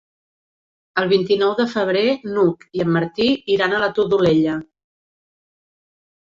El vint-i-nou de febrer n'Hug i en Martí iran a la Todolella.